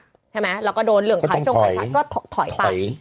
ใช่ไหมแล้วก็โดนเหลืองขายชาติก็ถอยไป